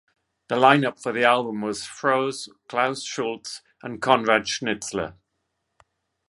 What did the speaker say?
The line-up for the album was Froese, Klaus Schulze, and Conrad Schnitzler.